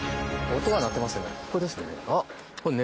音が鳴っていますね。